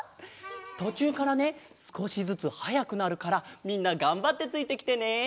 とちゅうからねすこしずつはやくなるからみんながんばってついてきてね！